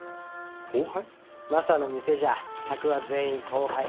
マサの店じゃ客は全員後輩。